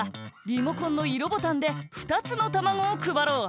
リモコンの色ボタンで２つのたまごをくばろう。